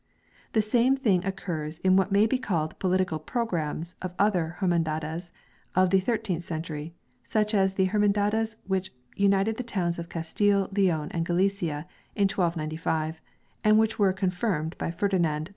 The same thing occurs in what may be called political programmes of other Hermandades of the thirteenth century, such as the Hermandades which united the towns of Castile, Leon, and Galicia in 1295, and which were confirmed by Ferdinand IV.